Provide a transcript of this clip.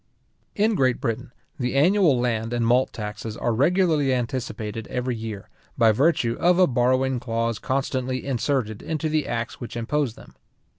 In Great Britain, the annual land and malt taxes are regularly anticipated every year, by virtue of a borrowing clause constantly inserted into the acts which impose them.